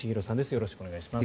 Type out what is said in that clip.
よろしくお願いします。